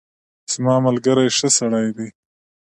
زما ملګری ښه سړی دی.